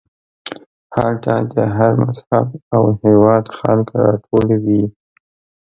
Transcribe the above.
هلته د هر مذهب او هېواد خلک راټول وي.